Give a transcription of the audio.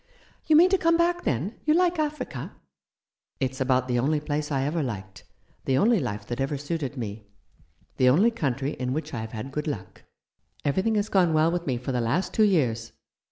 " You mean to come back, then ? You like Africa ?" "It's about the only place I ever liked — the only life that ever suited me — the only country in which I have had good luck. Everything has gone well with me for the last two years.